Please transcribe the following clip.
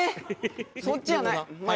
そっちやない。